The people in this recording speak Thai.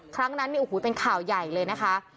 ครั้งนั้นเป็นข่าวใหญ่เลยนะคะ